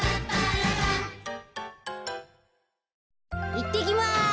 いってきます。